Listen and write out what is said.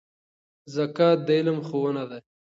زکات د علم ښوونه ده.